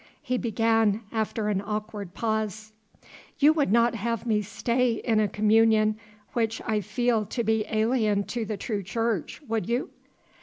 He began, after an awkward pause, "You would not have me stay in a communion which I feel to be alien to the true church, would you?"